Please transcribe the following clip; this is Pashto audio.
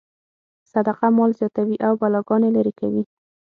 صدقه مال زیاتوي او بلاګانې لرې کوي.